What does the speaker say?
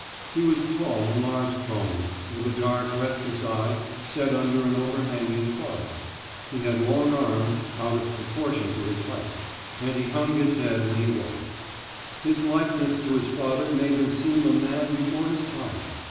He was tall and large boned, with a dark restless eye, set under an overhanging forehead. He had long arms, out of proportion to his height, and he hung his head when he walked. His likeness to his father made him seem a man before his time.